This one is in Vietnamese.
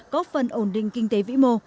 có phần ổn định kinh tế vĩ mô